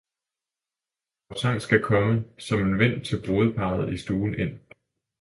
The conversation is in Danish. Vor sang skal komme, som en vindtil brudeparret i stuen ind